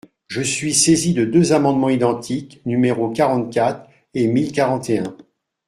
Je suis saisi de deux amendements identiques, numéros quarante-quatre et mille quarante et un.